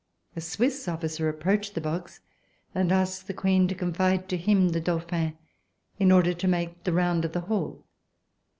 A Swiss officer approached the box and asked the Queen to confide to him the Dauphin, in order to make the round of the hall.